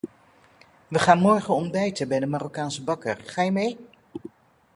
We gaan morgen ontbijten bij de Marokkaanse bakker, ga je mee?